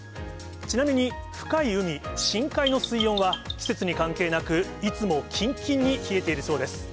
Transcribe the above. ちなみに深い海、深海の水温は季節に関係なく、いつもきんきんに冷えているそうです。